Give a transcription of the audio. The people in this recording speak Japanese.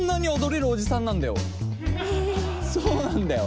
そうなんだよ。